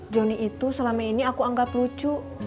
johnny itu selama ini aku anggap lucu